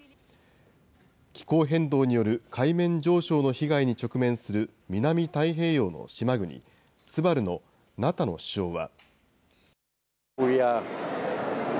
気候変動による海面上昇の被害に直面する南太平洋の島国、ツバルのナタノ首相は。